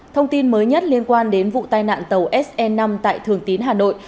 thông tin mới nhất liên quan đến vụ tai nạn tàu se năm tại thường tín hà nội